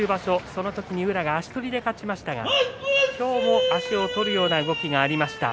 その時に宇良が足取りで勝ちましたが今日も足を取るような動きがありました。